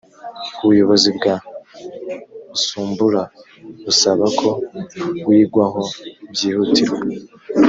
ubuyobozi bwa usumbura busaba ko wigwaho byihutirwa